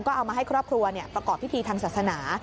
ก็เอามาให้ครอบครัวประกอบพิธีทางศาสนา